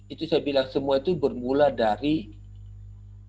itu saya bilang semua itu bermula dari cita cita keinginan impian